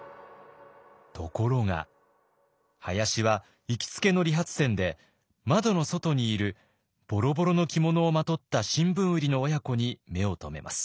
ところが林は行きつけの理髪店で窓の外にいるボロボロの着物をまとった新聞売りの親子に目を留めます。